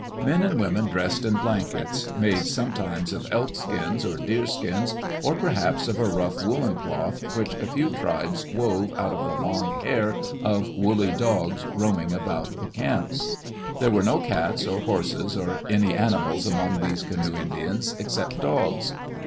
Men and women dressed in blankets, made sometimes of elk skins or deer skins or perhaps of a rough woolen cloth which a few tribes wove out of the long hair of woolly dogs roaming about the camps. There were no cats or horses or any animals among these canoe Indians except dogs.